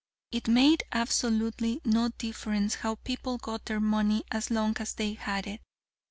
It made absolutely no difference how people got their money as long as they had it.